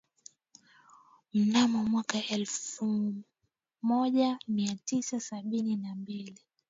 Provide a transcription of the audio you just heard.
Mnamo mwaka wa elfu moja mia tisa sabini na mbili